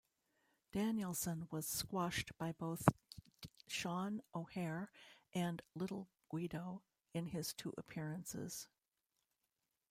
Danielson was squashed by both Sean O'Haire and Little Guido in his two appearances.